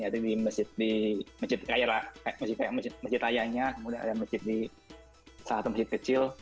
ada di masjid raya masjid rayanya kemudian ada masjid di salah satu masjid kecil